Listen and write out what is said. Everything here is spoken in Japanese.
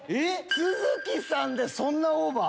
都筑さんでそんなオーバー？